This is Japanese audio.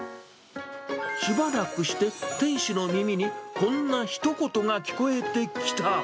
しばらくして、店主の耳にこんなひと言が聞こえてきた。